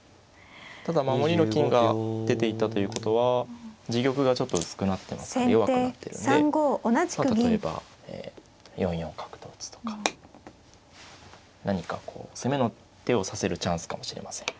ただ守りの金が出ていったということは自玉がちょっと薄くなってますから弱くなってるんで例えば４四角と打つとか何かこう攻めの手を指せるチャンスかもしれません。